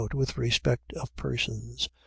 With respect of persons. ..